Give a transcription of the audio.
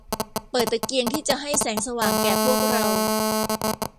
เปิดตะเกียงที่จะให้แสงสว่างแก่พวกเรา